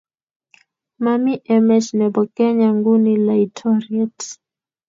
Mami emet nebo Kenya nguni laitoriat